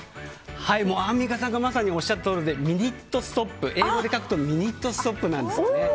アンミカさんがまさにおっしゃったとおりで英語で書くとミニットストップなんですね。